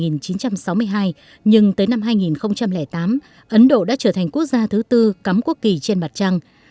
năm một nghìn chín trăm sáu mươi hai nhưng tới năm hai nghìn tám ấn độ đã trở thành quốc gia thứ tư cắm quốc kỳ trên mặt trăng